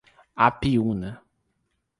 Apiúna